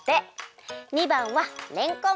２ばんはれんこん。